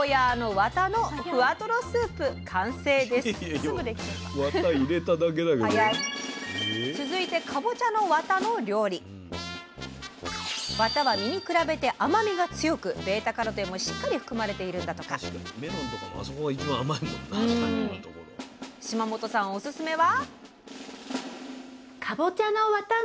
ワタは実に比べて甘みが強くβ−カロテンもしっかり含まれているんだとか島本さんおすすめは？